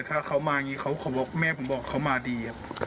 ถ้าเขามาอย่างนี้เขาบอกแม่ผมบอกเขามาดีครับ